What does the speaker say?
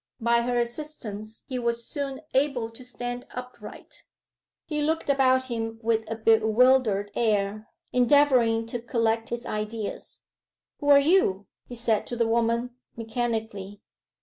By her assistance he was soon able to stand upright. He looked about him with a bewildered air, endeavouring to collect his ideas. 'Who are you?' he said to the woman, mechanically.